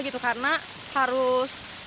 gitu karena harus